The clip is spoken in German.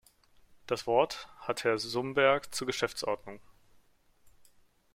Das Wort hat Herr Sumberg zur Geschäftsordnung.